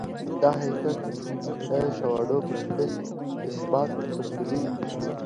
دا حقیقت د شواهدو پربنسټ اثبات رسولای شو.